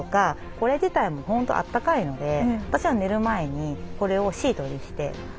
これ自体も本当あったかいので私は寝る前にこれをシートにして寝たり。